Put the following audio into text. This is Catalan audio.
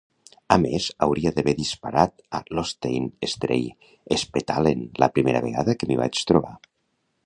A més, hauria d'haver disparat a l'Oystein Stray Spetalen la primera vegada que m'hi vaig trobar.